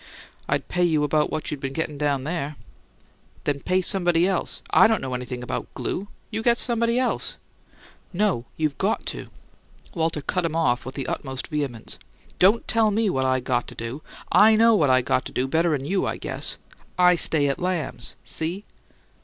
"I'd pay you about what you been getting down there." "Then pay somebody else; I don't know anything about glue. You get somebody else." "No. You've got to " Walter cut him off with the utmost vehemence. "Don't tell me what I got to do! I know what I got to do better'n you, I guess! I stay at Lamb's, see?"